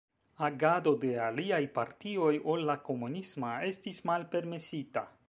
Agado de aliaj partioj ol la komunisma estis malpermesita.